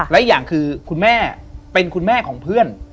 และอีกอย่างคือคุณแม่เป็นคุณแม่ของเพื่อน